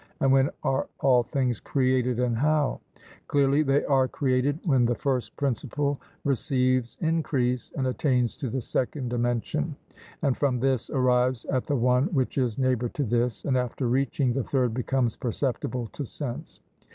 'And when are all things created and how?' Clearly, they are created when the first principle receives increase and attains to the second dimension, and from this arrives at the one which is neighbour to this, and after reaching the third becomes perceptible to sense.